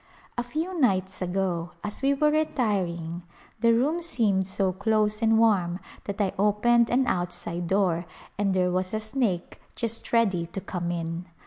A few nights ago as we were retiring the room seemed so close and warm that I opened an outside door and there was a snake just ready to come in.